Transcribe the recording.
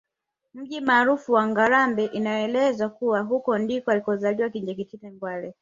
Mji maarufu wa Ngarambe inavyoelezwa kuwa huko ndiko alikozaliwa Kinjeketile Ngwale